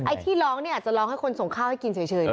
ที่ร้องเนี่ยอาจจะร้องให้คนส่งข้าวให้กินเฉย